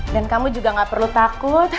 dan kamu juga gak perlu takut